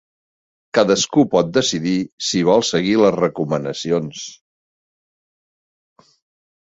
Cadascú pot decidir si vol seguir les recomanacions.